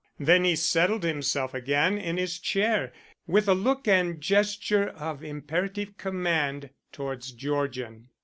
Then he settled himself again in his chair, with a look and gesture of imperative command towards Georgian.